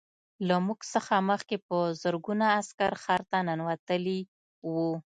له موږ څخه مخکې په زرګونه عسکر ښار ته ننوتلي وو